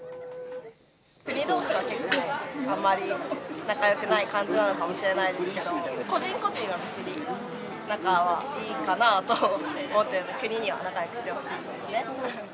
国どうしは結構、あまり仲よくない感じなのかもしれないですけど、個人個人は別に、仲はいいかなと思ってるので、国には仲よくしてほしいですね。